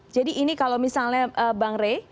jadi ini kalau misalnya bang re